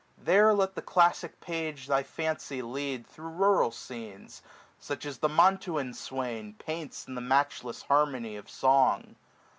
• There let the classic page thy fancy lead Thro' rural scenes ; such as the Mantuan swain Paints in the matchless harmony of song.